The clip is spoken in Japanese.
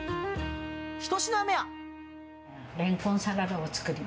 １品目は。